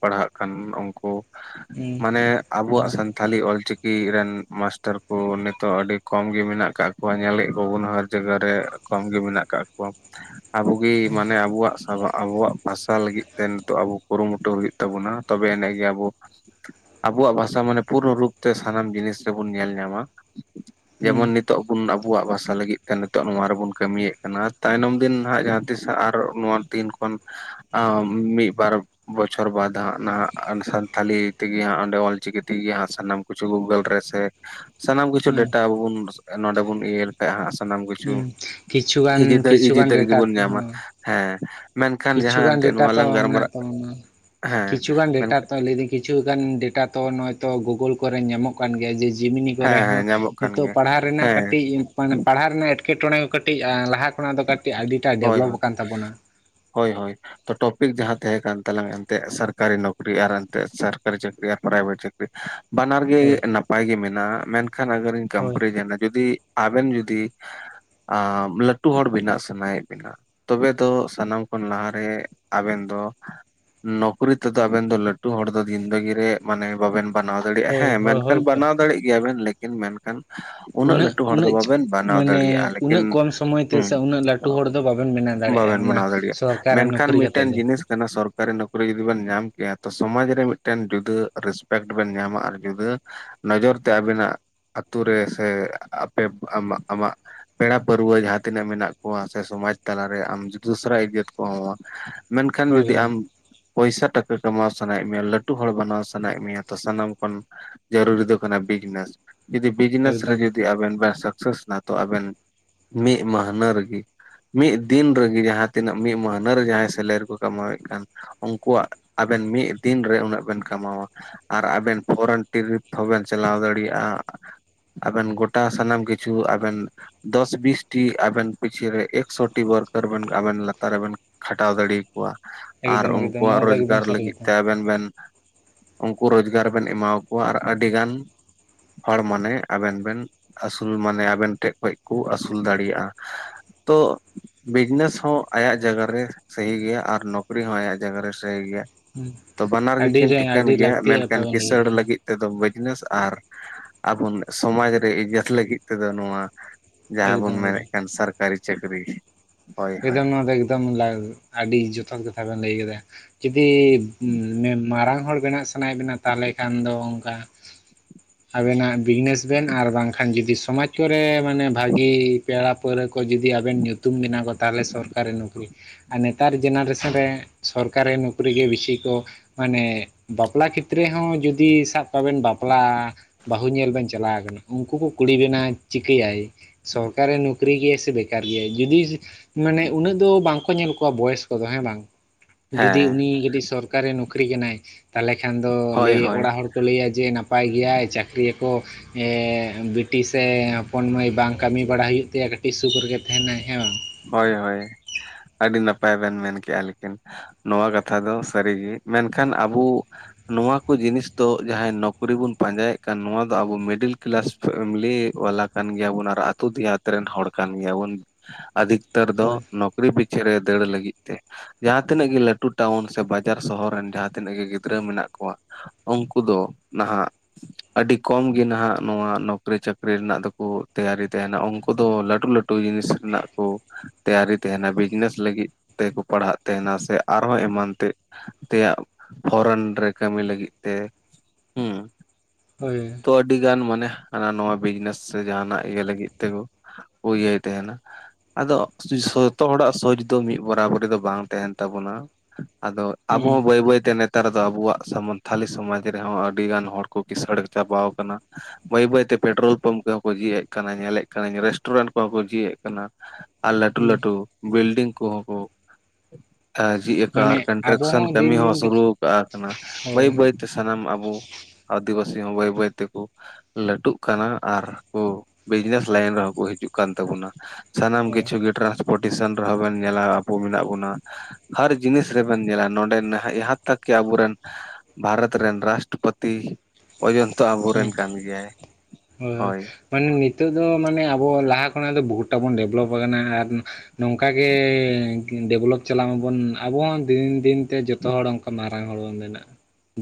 ᱯᱟᱲᱦᱟᱜ ᱠᱟᱱ ᱩᱱᱠᱩ ᱦᱩᱸ ᱢᱟᱱᱮ ᱟᱵᱚᱣᱟᱜ ᱦᱩᱸ ᱥᱟᱱᱛ ᱛᱷᱟᱹᱞᱤ ᱚᱞ ᱪᱤᱠᱤ ᱨᱮᱱ ᱢᱟᱥᱴᱟᱨ ᱠᱚ ᱱᱤᱛᱚᱜ ᱟᱹᱰᱤ ᱠᱚᱢ ᱜᱮ ᱢᱮᱱᱟᱜ ᱠᱟᱜ ᱠᱚᱣᱟ ᱧᱮᱞᱮᱫ ᱠᱚᱵᱚᱱ ᱡᱟᱜᱟ ᱨᱮ ᱠᱚᱢ ᱜᱮ ᱢᱮᱱᱟᱜ ᱠᱟᱜ ᱠᱚᱣᱟ ᱟᱵᱚᱜᱮ ᱢᱟᱱᱮ ᱟᱵᱚᱣᱟᱜ ᱥᱟᱵᱟ ᱟᱵᱚᱣᱟᱜ ᱵᱷᱟᱥᱟ ᱞᱟᱹᱜᱤᱫ ᱛᱮ ᱱᱤᱛᱚᱜ ᱟᱵᱚ ᱠᱩᱨᱩᱢᱩᱴᱩ ᱦᱩᱭᱩᱜ ᱛᱟᱵᱚᱱᱟ ᱛᱚᱵᱮ ᱟᱱᱮᱜ ᱜᱮ ᱟᱵᱚ ᱟᱵᱚᱣᱟᱜ ᱵᱷᱟᱥᱟ ᱢᱟᱱᱮ ᱯᱩᱨᱚ ᱨᱩᱯ ᱛᱮ ᱥᱟᱱᱟᱢ ᱡᱤᱱᱤᱥ ᱨᱮᱵᱚᱱ ᱧᱮᱞ ᱧᱟᱢᱟ᱾ ᱦᱩᱸ ᱡᱮᱢᱚᱱ ᱱᱤᱛᱚᱜ ᱵᱚᱱ ᱟᱵᱚᱣᱟᱜ ᱵᱷᱟᱥᱟ ᱞᱟᱹᱜᱤᱫ ᱱᱤᱛᱚᱜ ᱱᱚᱣᱟ ᱨᱮᱵᱚᱱ ᱠᱟᱹᱢᱤᱭᱮᱜ ᱠᱟᱱᱟ ᱛᱟᱭᱱᱚᱢ ᱫᱤᱱ ᱦᱜ ᱡᱟᱦᱟᱸ ᱛᱤᱥ ᱟᱨ ᱱᱚᱣᱟ ᱛᱤᱱ ᱠᱷᱚᱱ ᱟ ᱢᱤᱜ ᱵᱟᱨ ᱵᱚᱪᱷᱚᱨ ᱵᱟᱫ ᱦᱟᱸᱜ ᱱᱟᱦᱟᱜ ᱥᱟᱱᱛᱷᱟᱞᱤ ᱛᱮᱜᱮ ᱦᱟᱸᱜ ᱚᱸᱰᱮ ᱚᱞᱪᱤᱠᱤ ᱛᱮᱜᱮ ᱦᱟᱸᱜ ᱥᱟᱱᱟᱢ ᱠᱤᱪᱷᱩ ᱜᱩᱜᱳᱞ ᱨᱮ ᱥᱮ ᱥᱟᱱᱟᱢ ᱠᱤᱪᱷᱩ ᱦᱩᱸ ᱰᱮᱴᱟ ᱟᱵᱚ ᱵᱚᱱ ᱱᱚᱸᱰᱮ ᱵᱚᱱ ᱤᱭᱟᱹ ᱞᱮᱠᱷᱟᱡ ᱦᱟᱸᱜ ᱥᱟᱱᱟᱢ ᱠᱤᱪᱷᱩ ᱦᱩᱸ ᱤᱡᱤ ᱠᱤᱪᱷᱩᱜᱟᱱ ᱤᱡᱤ ᱠᱤᱪᱷᱩᱜᱟᱱ ᱫᱟᱹᱨᱤᱜ ᱰᱮᱴᱟ ᱜᱮᱵᱚᱱ ᱧᱟᱢᱟ ᱦᱚᱸ ᱦᱮᱸ᱾ ᱢᱮᱱᱠᱷᱟᱱ ᱡᱟᱦᱟᱸ ᱠᱤᱪᱷᱩᱜᱟᱱ ᱮᱱᱛᱮᱫ ᱰᱮᱴᱟ ᱱᱚᱣᱟ ᱛᱚ ᱞᱟᱝ ᱢᱮᱱᱟᱜ ᱜᱟᱞᱢᱟᱨᱟᱜ ᱛᱟᱵᱚᱱᱟ, ᱦᱮᱸ ᱠᱤᱪᱷᱩ ᱜᱟᱱ ᱰᱮᱴᱟ ᱢᱮᱱᱠᱷᱟᱱ ᱛᱚ ᱞᱟᱹᱭᱫᱤᱧ ᱠᱤᱪᱷᱩᱩᱜᱟᱱ ᱰᱮᱴᱟ ᱛᱚ ᱱᱚᱜᱼᱚᱭ ᱛᱚ ᱜᱩᱜᱩᱞ ᱠᱚᱨᱮ ᱧᱟᱢᱚᱜ ᱠᱟᱱ ᱜᱮᱭᱟ ᱡᱮ ᱡᱤᱢᱱᱤ ᱠᱚᱨᱮ ᱦᱮᱸ ᱦᱚᱸ ᱦᱮᱸ ᱧᱟᱢᱚᱜ ᱠᱟᱱ ᱱᱤᱛᱚᱜ ᱜᱮᱭᱟ ᱯᱟᱲᱦᱟᱜ ᱨᱮᱱᱟᱜ ᱦᱮᱸ ᱠᱟᱹᱴᱤᱡ ᱢᱟᱱᱮ ᱯᱟᱲᱦᱟᱜ ᱨᱮᱱᱟᱜ ᱮᱴᱠᱮᱴᱚᱬᱮ ᱠᱟᱹᱴᱤᱡ ᱞᱟᱦᱟ ᱠᱷᱚᱱᱟᱜ ᱫᱚ ᱠᱟᱹᱴᱤᱡ ᱟᱹᱰᱤᱴᱟ ᱦᱳᱭ ᱰᱮᱵᱷᱞᱚᱯ ᱦᱳᱭ ᱟᱠᱟᱱ ᱛᱟᱵᱚᱱᱟ᱾ ᱦᱳᱭ ᱦᱳᱭ ᱛᱚ ᱴᱚᱯᱤᱠ ᱡᱟᱦᱟᱸ ᱛᱟᱦᱮᱸ ᱠᱟᱱ ᱛᱟᱞᱟᱝ ᱥᱟ ᱠᱟᱨᱤ ᱱᱚᱠᱨᱤ ᱟᱨ ᱮᱱᱛᱮᱜ ᱥᱟᱨᱠᱟᱨᱤ ᱪᱟᱹᱠᱨᱤ ᱟᱨ ᱯᱨᱟᱭᱵᱷᱮᱴ ᱪᱟᱹᱠᱨᱤ ᱵᱟᱱᱟᱨ ᱜᱮ ᱦᱳᱭ ᱱᱟᱯ ᱱᱟᱯᱟᱭ ᱜᱮ ᱢᱮᱱᱟᱜᱼᱟ ᱢᱮᱱᱠᱷᱟᱱ ᱟᱜᱟᱨ ᱦᱳᱭ ᱠᱟᱢᱯᱤᱱᱤ ᱡᱩᱫᱤ ᱟᱵᱮᱱ ᱡᱩᱫᱤ ᱟᱸ ᱞᱟᱹᱴᱩ ᱦᱚᱲ ᱵᱮᱱᱟᱜ ᱥᱟᱱᱟᱭᱜ ᱛᱚᱵᱮ ᱫᱚ ᱥᱟᱱᱟᱢ ᱠᱷᱚᱱ ᱞᱟᱦᱟᱨᱮ ᱟᱵᱮᱱ ᱫᱚ ᱱᱚᱠᱨᱤ ᱛᱮᱫᱚ ᱟᱵᱮᱱ ᱫᱚ ᱞᱟᱹᱴᱩ ᱦᱚᱲ ᱫᱚ ᱫᱤᱱᱫᱮᱜᱤ ᱨᱮ ᱢᱟᱱᱮ ᱵᱟᱵᱮᱱ ᱵᱮᱟᱱᱟᱣ ᱫᱟᱲᱮᱭᱟᱜᱼᱟ ᱦᱳᱭ ᱦᱮᱸ ᱦᱳᱭ ᱢᱮᱱᱠᱷᱟᱱ ᱦᱳᱭᱛᱚ ᱵᱮᱟᱱᱟᱣ ᱫᱟᱲᱭᱟᱜ ᱜᱮᱭᱟᱵᱤᱱ ᱞᱮᱠᱤᱱ ᱢᱮᱱᱠᱷᱟᱱ ᱩᱱᱟᱹᱜ ᱞᱟᱹᱴᱩ ᱦᱚᱲ ᱫᱚ ᱩᱱᱟᱹᱜ ᱵᱟᱵᱮᱱ ᱵᱮᱱᱟᱣ ᱢᱟᱱᱮ ᱫᱟᱲᱮᱭᱟᱜᱼᱟ ᱞᱮᱠᱤᱱ ᱩᱱᱟᱹᱜ ᱠᱚᱢ ᱥᱚᱢᱚᱭ ᱛᱮ ᱥᱮ ᱦᱩᱸ ᱩᱱᱟᱹᱜ ᱞᱟᱹᱴᱩ ᱦᱚᱲ ᱫᱚ ᱵᱟᱵᱮᱱ ᱵᱮᱱᱟ ᱵᱟᱵᱮᱱ ᱵᱮᱱᱟᱣ ᱫᱟᱲᱮᱜᱼᱟ᱾ ᱢᱮᱱᱠᱷᱟᱱ ᱢᱤᱫᱴᱮᱱ ᱫᱚ ᱡᱤᱱᱤᱥ ᱥᱚᱨᱠᱟᱨᱤ ᱱᱚᱠᱨᱤ ᱡᱩᱫᱤ ᱵᱮᱱ ᱧᱟᱢ ᱠᱮᱭᱟ ᱛᱚ ᱥᱚᱢᱟᱡᱽ ᱨᱮ ᱢᱤᱫᱴᱮᱱ ᱡᱩᱫᱟᱹ ᱨᱮᱥᱯᱮᱠᱴ ᱵᱮᱱ ᱧᱟᱢᱟ, ᱟᱨ ᱡᱩᱫᱟᱹ ᱱᱚᱡᱚᱨ ᱛᱮ ᱟᱵᱤᱱᱟᱜ ᱟᱛᱳ ᱨᱮ ᱥᱮ ᱟᱯᱮ ᱟᱢᱟᱜ ᱟᱢᱟᱜ ᱯᱮᱲᱟ ᱯᱟᱹᱨᱣᱟᱹ ᱡᱟᱦᱟᱸ ᱛᱤᱱᱟᱹᱜ ᱢᱮᱱᱟᱜ ᱠᱚᱣᱟ᱾ ᱥᱮ ᱥᱚᱢᱟᱡᱽ ᱛᱟᱞᱟᱨᱮ ᱟᱢ ᱫᱚᱥᱨᱟ ᱤᱡᱡᱚᱛ ᱠᱚ ᱮᱢᱟ ᱢᱟ ᱢᱮᱱᱠᱷᱟᱱ ᱦᱳᱭ ᱡᱩᱫᱤ ᱦᱳᱭ ᱟᱢ ᱯᱚᱭᱥᱟ ᱴᱟᱠᱟ ᱠᱟᱢᱟᱣ ᱥᱟᱱᱟᱭᱮᱫ ᱢᱮᱭᱟ, ᱞᱟᱹᱴᱩ ᱦᱚᱲ ᱵᱮᱱᱟᱣ ᱥᱟᱱᱟᱭᱮᱫ ᱢᱮᱭᱟ, ᱛᱚ ᱥᱟᱱᱟᱢ ᱠᱷᱚᱱ ᱡᱟᱹᱨᱩᱨᱤ ᱫᱚ ᱠᱟᱱᱟ ᱵᱤᱡᱽᱱᱮᱥ᱾ ᱡᱩᱫᱤ ᱵᱤᱡᱽᱱᱮᱥ ᱨᱮ ᱮᱠᱫᱚᱢ ᱡᱩᱫᱤ ᱟᱵᱮᱱ ᱵᱮᱱ ᱥᱟᱠᱥᱮᱥᱱᱟ ᱛᱚ ᱟᱵᱮᱱ ᱢᱤᱫ ᱢᱟᱹᱦᱱᱟᱹ ᱨᱮᱜᱮ ᱢᱤᱜ ᱫᱤᱱ ᱨᱮᱜᱮ ᱡᱟᱦᱟᱸ ᱛᱤᱱᱟᱹᱜ ᱢᱤᱜ ᱢᱟᱹᱦᱱᱟᱹ ᱨᱮ ᱡᱟᱦᱟᱸᱭ ᱥᱮᱞᱟᱨᱤ ᱠᱚ ᱠᱟᱢᱟᱣᱮᱜ ᱠᱟᱱ ᱩᱝᱠᱩᱣᱟᱜ ᱟᱵᱮᱱ ᱢᱤᱜ ᱫᱤᱱ ᱨᱮ ᱩᱱᱟᱹᱜ ᱵᱮᱱ ᱠᱟᱢᱟᱣᱟ᱾ ᱟᱨ ᱟᱵᱮᱱ ᱯᱷᱚᱨᱮᱱ ᱴᱩᱨᱤᱯ ᱦᱚᱸᱵᱮᱱ ᱪᱟᱞᱟᱣ ᱫᱟᱲᱮᱭᱟᱜᱼᱟ᱾ ᱟᱵᱮᱱ ᱜᱚᱴᱟ ᱥᱟᱱᱟᱢ ᱠᱤᱪᱷᱩ ᱟᱵᱮᱱ ᱫᱚᱥ ᱵᱤᱥᱴᱤ ᱟᱵᱮᱱ ᱯᱤᱪᱷᱤᱨᱮ ᱮᱠᱥᱚ ᱴᱤ ᱣᱟᱹᱨᱠᱟᱹᱨ ᱵᱮᱱ ᱟᱵᱮᱱ ᱞᱟᱛᱟᱨ ᱨᱮᱵᱮᱱ ᱠᱷᱟᱴᱟᱣ ᱫᱟᱲᱤ ᱠᱚᱣᱟ᱾ ᱟᱨ ᱮᱠᱫᱚᱢ ᱮᱠᱫᱚᱢ ᱩᱝᱠᱩᱣᱟᱜ ᱱᱚᱣᱟ ᱫᱚ ᱮᱠᱫᱚᱢ ᱨᱳᱡᱽᱜᱟᱨ ᱥᱟᱹᱨᱤ ᱞᱟᱹᱜᱤᱫ ᱠᱟᱛᱷᱟ ᱛᱮ ᱟᱵᱮᱱ ᱵᱮᱱ ᱩᱱᱠᱩ ᱨᱳᱡᱽᱜᱟᱨ ᱵᱮᱱ ᱮᱢᱟᱠᱚᱣᱟ ᱟᱨ ᱟᱹᱰᱤ ᱜᱟᱱ ᱦᱚᱲ ᱢᱚᱱᱮ ᱟᱵᱮᱱ ᱵᱮᱱ ᱟᱹᱥᱩᱞ ᱢᱟᱱᱮ ᱟᱵᱮᱱ ᱴᱷᱮᱪ ᱠᱷ ᱠᱚ ᱟᱹᱥᱩᱞ ᱫᱟᱲᱮᱭᱟᱜᱼᱟ ᱾ ᱛᱚ ᱵᱤᱡᱽᱱᱮᱥ ᱦᱚᱸ ᱟᱭᱟᱜ ᱡᱟᱭᱜᱟ ᱨᱮ ᱥᱟᱦᱤ ᱜᱮᱭᱟ ᱟᱨ ᱱᱚᱠᱨᱤ ᱦᱚᱸ ᱟᱭᱟᱜ ᱡᱟᱭᱜᱟ ᱨᱮ ᱥᱟᱦᱤ ᱜᱮᱭᱟ ᱦᱩᱸ ᱾ ᱛᱚ ᱛᱚ ᱵᱟᱱᱟᱨ ᱟᱹᱰᱤ ᱜᱮᱠᱤᱱ ᱴᱷᱤᱠᱟᱹᱱ ᱟᱹᱰᱤ ᱜᱮᱭᱟ ᱞᱟᱹᱠᱛᱤᱭᱟᱜ ᱠᱟᱛᱷᱟ ᱢᱮᱱᱠᱷᱟᱱ ᱵᱮᱱ ᱞᱟᱹᱭ ᱠᱤᱥᱟᱹᱬ ᱠᱮᱫᱟ ᱞᱟᱹᱜᱤᱫ ᱛᱮᱫᱚ ᱵᱤᱡᱽᱱᱮᱥ ᱟᱨ ᱟᱵᱚᱱ ᱥᱚᱢᱟᱡᱽ ᱨᱮ ᱤᱡᱡᱛ ᱞᱟᱹᱜᱤᱫ ᱛᱮᱫᱚ ᱱᱚᱣᱟ ᱡᱟᱦᱟᱸ ᱵᱚᱱ ᱮᱠᱫᱚᱢ ᱮᱠᱫᱚᱢ ᱢᱮᱱᱮᱫ ᱠᱟᱱ ᱥᱟᱨᱠᱟᱨᱤ ᱪᱟᱹᱠᱨᱤ ᱾ ᱮᱠᱫᱚᱢ ᱱᱚᱣᱟ ᱫᱚ ᱮᱠᱫᱚᱢ ᱞᱟᱜ ᱟᱹᱰᱤ ᱡᱚᱛᱷᱟ ᱠᱟᱛᱷᱟ ᱵᱮᱱ ᱞᱟᱹᱭ ᱠᱮᱫᱟ ᱾ ᱡᱩᱫᱤ ᱢᱟᱨᱟᱝ ᱦᱚᱲ ᱵᱮᱱᱟᱜ ᱥᱟᱱᱟᱭᱮᱫ ᱵᱮᱱᱟ ᱛᱟᱦᱚᱞᱮ ᱠᱷᱟᱱ ᱫᱚ ᱚᱱᱠᱟ ᱟᱵᱮᱱᱟᱜ ᱵᱤᱡᱽᱱᱮᱥ ᱵᱮᱱ ᱟᱨ ᱵᱟᱝᱠᱷᱟᱱ ᱡᱩᱫᱤ ᱥᱚᱢᱟᱡᱽ ᱠᱚᱨᱮ ᱢᱟᱱᱮ ᱵᱷᱟᱹᱜᱤ ᱯᱮᱲᱟ ᱯᱟᱹᱨᱟᱹ ᱠᱚ ᱡᱩᱫᱤ ᱟᱵᱮᱱ ᱧᱩᱛᱩᱢ ᱵᱮᱱᱟ ᱠᱚ ᱛᱟᱦᱚᱞᱮ ᱥᱚᱨᱠᱟᱨᱤ ᱱᱚᱠᱨᱤ ᱾ ᱟᱨ ᱱᱮᱛᱟᱨ ᱡᱮᱱᱟᱨᱮᱥᱚᱱ ᱨᱮ ᱥᱚᱨᱠᱟᱨᱤ ᱱᱚᱠᱨᱤ ᱜᱮ ᱵᱤᱥᱤ ᱠᱚ ᱢᱟᱱᱮ ᱵᱟᱯᱞᱟ ᱠᱷᱮᱛᱨᱮ ᱦᱚᱸ ᱡᱩᱫᱤ ᱥᱟᱵ ᱠᱟᱜ ᱵᱮᱱ ᱵᱟᱯᱞᱟ ᱵᱟᱹᱦᱩ ᱧᱮᱞ ᱵᱮᱱ ᱪᱟᱞᱟᱣ ᱠᱟᱱᱟ ᱩᱱᱠᱩ ᱠᱩ ᱠᱩᱞᱤ ᱵᱮᱱᱟ ᱪᱤᱠᱟᱹᱭᱟᱭ? ᱥᱚᱨᱠᱟᱨᱤ ᱱᱩᱠᱨᱤ ᱜᱮᱭᱟᱭ ᱥᱮ ᱵᱮᱠᱟᱨ ᱜᱮᱭᱟᱭ ᱡᱩᱫᱤ ᱢᱟᱱᱮ ᱩᱱᱟᱹᱜ ᱫᱚ ᱵᱟᱝᱠᱚ ᱧᱮᱞ ᱠᱚᱣᱟ ᱵᱚᱭᱮᱥ ᱠᱚᱫᱚ ᱦᱮᱸ ᱵᱟᱝ ᱡᱩᱫᱤ ᱦᱮᱸ ᱩᱱᱤ ᱡᱩᱫᱤ ᱥᱚᱨ ᱠᱟᱨᱤ ᱱᱩᱠᱨᱤ ᱠᱟᱱᱟᱭ ᱛᱟᱦᱚᱞᱮ ᱠᱷᱟᱱ ᱫᱚ ᱦᱳᱭ ᱞᱟᱹᱭ ᱦᱳᱭ ᱚᱲᱟᱜ ᱦᱚᱲ ᱠᱚ ᱞᱟᱹᱭᱟ ᱡᱮ ᱱᱟᱯᱟᱭ ᱜᱮᱭᱟᱭ ᱪᱟᱹᱠᱨᱤᱭ ᱟᱠᱚ ᱮ ᱵᱤᱴᱤ ᱥᱮ ᱦᱚᱯᱚᱱ ᱢᱟᱹᱭ ᱾ ᱵᱟᱝ ᱠᱟᱹᱢᱤ ᱵᱟᱲᱟᱭ ᱦᱩᱭᱩᱜ ᱛᱟᱭᱟ ᱠᱟᱹᱴᱤᱡ ᱥᱩᱠ ᱨᱮᱜᱮ ᱛᱟᱦᱮᱱᱟᱭ ᱦᱮᱸ ᱵᱟᱝ? ᱦᱳᱭ ᱦᱳᱭ ᱟᱹᱰᱤ ᱱᱟᱯᱟᱭ ᱵᱮᱱ ᱢᱮᱱ ᱠᱮᱜᱼᱟ ᱞᱮᱠᱤᱱ ᱱᱚᱣᱟ ᱠᱟᱛᱷᱟ ᱫᱚ ᱥᱟᱹᱨᱤᱜᱮ ᱢᱮᱱᱠᱷᱟᱱ ᱟᱵᱩ ᱱᱚᱣᱟ ᱠᱩ ᱡᱤᱱᱤᱥ ᱫᱚ ᱡᱟᱦᱟᱸᱭ ᱱᱚᱠᱨᱤ ᱵᱚᱱ ᱯᱟᱸᱡᱟᱭᱮᱫ ᱠᱟᱱ ᱱᱚᱣᱟ ᱫᱚ ᱟᱵᱚ ᱢᱤᱰᱤᱞ ᱠᱮᱞᱟᱥ ᱯᱷᱮᱢᱞᱤ ᱣᱟᱞᱟ ᱠᱟᱱ ᱜᱮᱭᱟ ᱵᱚᱱ ᱟᱨ ᱟᱛᱩ ᱫᱮᱭᱟᱛ ᱨᱮᱱ ᱦᱚᱲ ᱠᱟᱱ ᱜᱮᱭᱟ ᱵᱚᱱ ᱾ ᱟᱫᱷᱤᱠᱛᱟᱹᱨ ᱫᱚ ᱦᱳᱭ ᱱᱚᱠᱨᱤ ᱯᱤᱪᱷᱟᱹ ᱨᱮ ᱫᱟᱹᱲ ᱞᱟᱹᱜᱤᱫ ᱛᱮ ᱡᱟᱦᱟᱸ ᱛᱤᱱᱟᱹᱜ ᱜᱮ ᱞᱟᱹᱴᱩ ᱴᱟᱣᱩᱱ ᱥᱮ ᱵᱟᱡᱟᱨ ᱥᱚᱦᱚᱨ ᱨᱮᱱ ᱡᱟᱦᱟᱸ ᱛᱤᱱᱟᱹᱜ ᱜᱮ ᱜᱤᱫᱽᱨᱟᱹ ᱢᱮᱱᱟᱜ ᱠᱚᱣᱟ ᱾ ᱩᱱᱠᱩ ᱫᱚ ᱱᱟᱦᱟᱜ ᱟᱹᱰᱤ ᱠᱚᱢ ᱜᱮ ᱱᱟᱦᱟᱜ ᱱᱚᱣᱟ ᱱᱚᱠᱨᱤ ᱪᱟᱹᱠᱨᱤ ᱨᱮᱱᱟᱜ ᱫᱚᱠᱚ ᱛᱮᱭᱟᱨᱤ ᱛᱟᱦᱮᱱᱟ ᱩᱱᱠᱩ ᱫᱚ ᱞᱟᱹᱴᱩ ᱞᱟᱹ ᱴᱩ ᱡᱤᱱᱤᱥ ᱨᱮᱱᱟᱜ ᱠᱩ ᱛᱮᱭᱟᱨᱤ ᱛᱟᱦᱮᱱᱟ ᱵᱤᱡᱽᱱᱮᱥ ᱞᱟᱹᱜᱤᱫ ᱛᱮᱠᱚ ᱯᱟᱲᱦᱟᱜ ᱛᱟᱦᱮᱱᱟ ᱥᱮ ᱟᱨᱦᱚᱸ ᱮᱢᱟᱱ ᱛᱮ ᱛᱮᱭᱟᱜ ᱯᱷᱚᱨᱚᱱ ᱨᱮ ᱠᱟᱹᱢᱤ ᱞᱟᱹᱜᱤᱫ ᱛᱮ ᱦᱩᱸ ᱾ ᱦᱳᱭ ᱾ ᱛᱚ ᱟᱹᱰᱤ ᱜᱟᱱ ᱢᱟᱱᱮ ᱦᱟᱱᱟ ᱱᱚᱣᱟ ᱵᱤᱡᱽᱱᱮᱥ ᱥᱮ ᱡᱟᱦᱟᱱᱟᱜ ᱤᱭᱟᱹ ᱞᱟᱹᱜᱤᱫ ᱛᱮᱜᱚ ᱳ ᱤᱭᱟᱹᱭ ᱛᱟᱦᱮᱱᱟ ᱾ ᱟᱫᱚ ᱡᱚᱛᱚ ᱦᱚᱲᱟᱜ ᱥᱚᱪ ᱫᱚ ᱢᱤᱫ ᱵᱚᱨᱟᱵᱚᱨᱤ ᱫᱚ ᱵᱟᱝ ᱛᱟᱦᱮᱱ ᱛᱟᱵᱚᱱᱟ ᱾ ᱟᱫᱚ ᱟᱵᱚ ᱦᱚᱸ ᱦᱩᱸ ᱵᱟᱹᱭ ᱵᱟᱹᱭ ᱛᱮ ᱱᱮᱛ ᱱᱮᱛᱟᱨ ᱫᱚ ᱟᱵᱚᱣᱟᱜ ᱥᱟᱱᱛᱷᱟᱞᱤ ᱥᱚᱢᱟᱡᱽ ᱨᱮᱦᱚᱸ ᱟᱹᱰᱤ ᱜᱟᱱ ᱦᱚᱲ ᱠᱚ ᱠᱤᱥᱟᱹᱬ ᱪᱟᱵᱟᱣ ᱠᱟᱱᱟ ᱾ ᱵᱟᱹᱭ ᱵᱟᱹᱭ ᱛᱮ ᱯᱮᱴᱨᱳᱞ ᱯᱟᱢᱯ ᱠᱚᱦᱚᱸ ᱠᱚ ᱡᱷᱤᱜ ᱮᱫ ᱠᱟᱱᱟ ᱧᱮᱞᱮᱫ ᱠᱟᱱᱟ ᱨᱮᱥᱴᱩᱨᱮᱱᱴ ᱠᱚᱦᱚᱸ ᱠᱚ ᱡᱷᱤᱜ ᱮᱫ ᱠᱟᱱᱟ ᱾ ᱟᱨ ᱞᱟᱹᱴᱩ ᱦᱩᱸ ᱞᱟᱹᱴᱩ ᱵᱤᱞᱰᱤᱝ ᱠᱚᱦᱚᱸ ᱠᱚ ᱾ ᱡᱷᱤᱡ ᱟᱠᱟᱜᱼᱟ ᱢᱟᱱᱮ ᱟᱨ ᱟᱵᱚ ᱠᱚᱱᱴᱨᱟᱠᱥᱚᱱ ᱠᱟᱹᱢᱤ ᱫᱤᱱ ᱦᱚᱸ ᱫᱤᱱ ᱛᱮ ᱥᱩᱨᱩ ᱠᱟᱜ ᱠᱟᱱᱟ ᱵᱟᱹᱭ ᱦᱳᱭ ᱵᱟᱹᱭ ᱛᱮ ᱥᱟᱱᱟᱢ ᱟᱵᱩ ᱾ ᱟᱫᱤᱵᱥᱤ ᱦᱚᱸ ᱵᱚᱹᱭ ᱵᱟᱹᱭ ᱛᱮ ᱠᱩ ᱞᱟᱹᱴᱩᱜ ᱠᱟᱱᱟ ᱟᱨ ᱠᱩ ᱵᱤᱡᱽᱱᱮᱥ ᱞᱟᱭᱤᱱ ᱨᱮᱦᱚᱸ ᱠᱩ ᱦᱤᱡᱩᱜ ᱠᱟᱱ ᱛᱟᱵᱚᱱᱟ ᱾ ᱥᱟᱱᱟᱢ ᱦᱳᱭ ᱠᱤᱪᱷᱩ ᱜᱮ ᱴᱨᱟᱱᱥᱯᱳᱴᱮᱥᱚᱱ ᱨᱮᱦᱚᱸ ᱵᱮᱱ ᱧᱮᱞᱟ ᱟᱵᱚ ᱢᱮᱱᱟᱜ ᱵᱚᱱᱟ ᱾ ᱦᱟᱨ ᱡᱤᱱᱤᱥ ᱨᱮᱵᱮᱱ ᱧᱮᱞᱟ ᱱᱚᱸᱰᱮ ᱱᱟᱦᱟᱜ ᱡᱟᱦᱟᱸ ᱛᱠᱽ ᱠᱤ ᱟᱵᱚᱨᱮᱱ ᱵᱷᱟᱨᱟᱛ ᱨᱮᱱ ᱨᱟᱥᱴᱨᱚᱯᱚᱛᱤ ᱚᱡᱚᱱᱛᱚ ᱦᱩᱸ ᱟᱵᱚᱨᱮᱱ ᱠᱟᱱ ᱜᱮᱭᱟᱭ ᱦᱳᱭ ᱾ ᱢᱟᱱᱮ ᱱᱤᱛᱚᱜ ᱫᱚ ᱢᱟᱱᱮ ᱟᱵᱚ ᱞᱟᱦᱟ ᱠᱷᱚᱱᱟᱜ ᱫᱚ ᱵᱚᱦᱩᱛᱴᱟ ᱵᱚᱱ ᱰᱮᱵᱷᱞᱚᱯ ᱟᱠᱟᱱᱟ ᱟᱨ ᱱᱚᱝᱠᱟᱜᱮ ᱰᱮᱵᱷᱞᱚᱯ ᱪᱟᱞᱟᱜ ᱢᱟᱵᱚᱱ ᱟᱵᱚ ᱦᱚᱸ ᱫᱤᱱ ᱫᱤᱱ ᱛᱮ ᱡᱚᱛᱚ ᱦᱚᱲ ᱚᱱᱠᱟ ᱢᱟᱨᱟᱝ ᱦᱚᱲᱚᱱ ᱵᱚᱱ ᱵᱮᱱᱟᱜᱼᱟ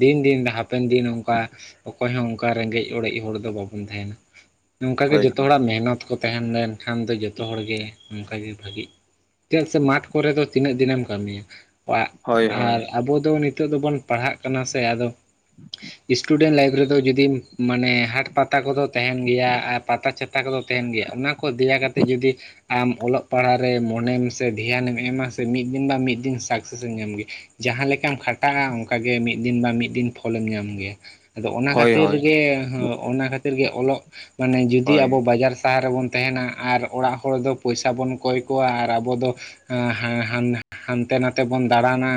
ᱫᱤᱱ ᱫᱤᱱ ᱦᱟᱯᱮᱱ ᱫᱤᱱ ᱚᱱᱠᱟ ᱚᱠᱚᱭ ᱦᱚᱸ ᱚᱱᱠᱟ ᱨᱮᱸᱜᱮᱡ ᱚᱲᱮᱡ ᱦᱚᱲ ᱫᱚ ᱵᱟᱵᱚᱱ ᱛᱟᱦᱮᱱᱟ ᱱᱚᱝᱠᱟ ᱜᱮ ᱦᱳᱭ ᱡᱚᱛᱚ ᱦᱚᱲᱟᱜ ᱢᱮᱦᱱᱚᱛ, ᱛᱟᱦᱮᱸ ᱞᱮᱱᱠᱷᱟᱱ ᱫᱚ ᱡᱚᱛᱚ ᱦᱚᱲ ᱜᱮ ᱱᱚᱝᱠᱟᱜᱮ ᱵᱷᱟᱹᱜᱤ ᱪᱮᱫᱟᱜ ᱥᱮ ᱢᱟᱴᱷ ᱠᱚᱨᱮ ᱫᱚ ᱛᱤᱱᱟᱹᱜ ᱫᱤᱱᱮᱢ ᱠᱟᱹᱢᱤᱭᱟ? ᱠᱚᱣᱟᱜ ᱦᱳᱭ ᱦᱳᱭ ᱟᱨ ᱟᱵᱚ ᱫᱚ ᱱᱤᱛᱚᱜ ᱫᱚᱵᱚᱱ ᱯᱟᱲᱦᱟᱜ ᱠᱟᱱᱟ ᱥᱮ ᱟᱫᱚ ᱥᱴᱩᱰᱮᱱᱴ ᱞᱟᱭᱤᱯ ᱡᱩᱫᱤ ᱢᱟᱱᱮ ᱦᱟᱴ ᱯᱟᱛᱟ ᱠᱚᱫᱚ ᱛᱟᱦᱮᱱ ᱜᱮᱭᱟ ᱟᱨ ᱯᱟᱛᱟ ᱪᱷᱟᱛᱟ ᱠᱚᱫᱚ ᱛᱟᱦᱮᱱ ᱜᱮᱭᱟ ᱚᱱᱟ ᱠᱚ ᱠᱚ ᱫᱮᱭᱟ ᱠᱟᱛᱮᱫ ᱡᱩᱫᱤ ᱟᱢ ᱚᱞᱚᱜ ᱯᱟᱲᱦᱟᱜ ᱨᱮ ᱢᱚᱱᱮᱢ ᱥᱮ ᱫᱷᱮᱭᱟᱱᱮᱢ ᱮᱢᱟ ᱥᱮ ᱢᱤᱫ ᱫᱤᱱ ᱵᱟ ᱢᱤᱫ ᱫᱤᱱ ᱥᱟᱠᱥᱮᱥᱮᱢ ᱧᱟᱢ ᱜᱮ᱾ ᱡᱟᱦᱟᱸ ᱞᱮᱠᱟᱢ ᱠᱷᱟᱴᱟᱜ-ᱟ ᱚᱱᱠᱟᱜᱮ ᱢᱤᱫ ᱫᱤᱱ ᱵᱟᱝ ᱢᱤᱫ ᱫᱤᱱ ᱯᱷᱚᱞᱮᱢ ᱧᱟᱢ ᱜᱮᱭᱟ ᱟᱫᱚ ᱚᱱᱟ ᱠᱷᱟᱹᱛᱤᱨ ᱦᱳᱭ ᱦᱳᱭ ᱦᱮᱸ ᱚᱱᱟ ᱠᱷᱟᱹᱛᱤᱨ ᱜᱮ ᱚᱞᱚᱜ ᱢᱟᱱᱮ ᱡᱩᱫᱤ ᱦᱳᱭ ᱟᱵᱚ ᱵᱟᱡᱟᱨ ᱥᱟᱦᱟᱨ ᱨᱮᱵᱚᱱ ᱛᱟᱦᱮᱱᱟ ᱟᱨ ᱚᱲᱟᱜ ᱦᱚᱲ ᱫᱚ ᱯᱚᱭᱥᱟ ᱵᱚᱱ ᱠᱚᱭ ᱠᱚᱣᱟ ᱟᱨ ᱟᱵᱚ ᱫᱚ ᱦᱮᱸ ᱦᱮᱸ ᱦᱟᱱ ᱦᱟᱱᱛᱮ ᱱᱟᱛᱮ ᱵᱚᱱ ᱫᱟᱬᱟᱱᱟ᱾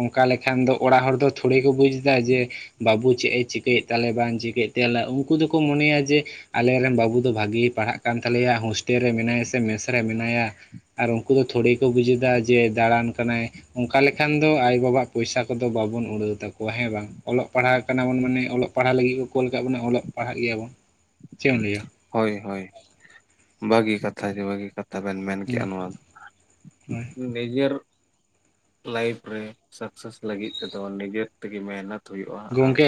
ᱚᱱᱠᱟ ᱞᱮᱠᱷᱟᱱ ᱫᱚ ᱚᱲᱟᱜ ᱦᱚᱲ ᱫᱚ ᱛᱷᱚᱲᱤ ᱠᱚ ᱵᱩᱡ ᱫᱟ ᱡᱮ ᱵᱟᱹᱵᱩ ᱪᱮᱫ ᱮ ᱪᱤᱠᱟᱹᱭ ᱛᱟᱞᱮ ᱵᱟᱝ ᱪᱤᱠᱟᱹᱭ ᱛᱮᱞᱮ ᱩᱱᱠᱩ ᱫᱚᱠᱚ ᱢᱚᱱᱮᱭᱟ ᱡᱮ ᱟᱞᱮ ᱨᱮᱱ ᱵᱟᱹᱵᱩ ᱫᱚ ᱵᱷᱟᱜᱮ ᱜᱮ ᱯᱟᱲᱦᱟᱜ ᱠᱟᱱ ᱛᱟᱞᱮᱭᱟ ᱦᱳᱥᱴᱮᱞ ᱨᱮ ᱢᱮᱱᱟᱭᱟ ᱥᱮ ᱢᱮᱥ ᱨᱮ ᱢᱮᱱᱟᱭᱟ ᱟᱨ ᱩᱱᱠᱩ ᱫᱚ ᱛᱷᱚᱲᱮ ᱠᱚ ᱵᱩᱡᱮᱫᱟ ᱡᱮ ᱫᱟᱬᱟᱱ ᱠᱟᱱᱟᱭ ᱚᱱᱠᱟ ᱞᱮᱠᱷᱟᱱ ᱫᱚ ᱟᱭᱳ ᱵᱟᱵᱟᱜ ᱯᱚᱭᱥᱟ ᱠᱚᱫᱚ ᱵᱟᱵᱚᱱ ᱩᱲᱟᱹᱣ ᱛᱟᱠᱚᱣᱟ ᱦᱮᱸ ᱵᱟᱝ ᱚᱞᱚᱜ ᱯᱟᱲᱦᱟᱣ ᱠᱟᱱᱟ ᱵᱚᱱ ᱢᱟᱱᱮ ᱚᱞᱚᱜ ᱯᱟᱲᱦᱟᱣ ᱞᱟᱹᱜᱤᱫ ᱠᱚ ᱠᱳᱞ ᱠᱟᱜ ᱵᱚᱱᱟ ᱚᱞᱚᱜ ᱯᱟᱲᱦᱟᱜ ᱜᱮᱭᱟᱵᱚᱱ ᱪᱮᱫ ᱮᱢ ᱞᱟᱹᱭᱟ᱾ ᱦᱳᱭ ᱦᱳᱭ ᱵᱷᱟᱜᱤ ᱠᱟᱛᱷᱟ ᱜᱮ ᱵᱷᱟᱹᱜᱤ ᱠᱟᱛᱷᱟ ᱛᱟᱵᱮᱱ ᱢᱮᱱ ᱠᱮᱜ-ᱟ ᱦᱩᱸ ᱱᱚᱣᱟ ᱦᱳᱭ ᱫᱚ ᱱᱤᱡᱮᱨ ᱞᱟᱭᱤᱯ ᱨᱮ ᱥᱟᱠᱥᱮᱥ ᱞᱟᱹᱜᱤᱫ ᱛᱮᱫᱚ ᱱᱤᱡᱮᱨ ᱛᱮᱜᱮ ᱢᱮᱱᱟ ᱦᱩᱭᱩᱜ-ᱟ ᱟᱨ ᱜᱚᱝᱠᱮ